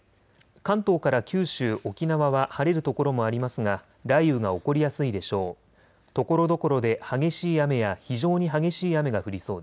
関東から九州、沖縄は晴れる所もありますが雷雨が起こりやすいでしょう。